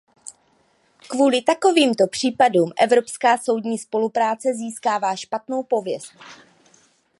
Kvůli takovýmto případům evropská soudní spolupráce získává špatnou pověst.